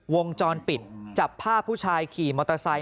วงจรปิดจับภาพผู้ชายขี่มอเตอร์ไซค